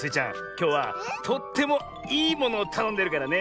きょうはとってもいいものをたのんでるからね！